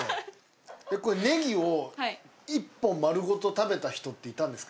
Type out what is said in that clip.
これねぎを１本丸ごと食べた人っていたんですか？